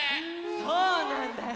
そうなんだよ。